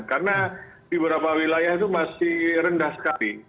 karena di beberapa wilayah itu masih rendah sekali